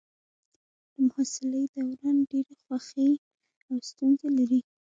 د محصلۍ دوران ډېرې خوښۍ او ستونزې لري.